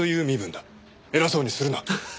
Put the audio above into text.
偉そうにするな。